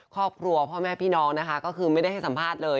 ครอบครัวพ่อแม่พี่น้องก็คือไม่ได้ให้สัมภาษณ์เลย